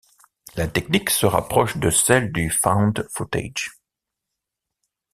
La technique se rapproche de celle du Found footage.